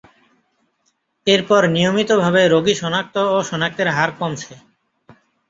এরপর নিয়মিতভাবে রোগী শনাক্ত ও শনাক্তের হার কমছে।